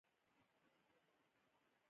آیا پښتو به د نړۍ یوه لویه ژبه نه وي؟